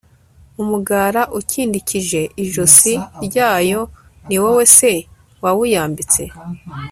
umugara ukindikije ijosi ryayo ni wowe se wawuyambitse